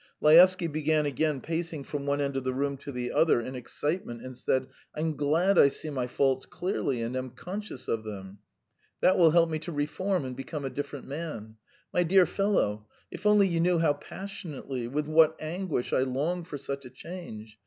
Laevsky began again pacing from one end of the room to the other in excitement, and said: "I'm glad I see my faults clearly and am conscious of them. That will help me to reform and become a different man. My dear fellow, if only you knew how passionately, with what anguish, I long for such a change.